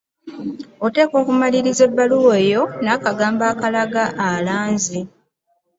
Oteekwa okumaliriza ebbaluwa eyo n’akagambo akalaga alanze